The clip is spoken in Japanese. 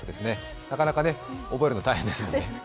なかなか覚えるの大変ですがね。